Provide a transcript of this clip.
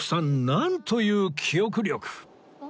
なんという記憶力